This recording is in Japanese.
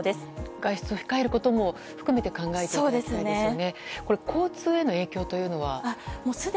外出を控えることも含めて考えていただきたいですね。